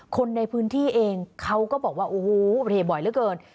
คนในพื้นที่เองเขาก็บอกว่าโอ้โหเทบ่อยเหลือเกิน